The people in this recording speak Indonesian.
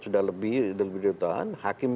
sudah lebih lebih jutaan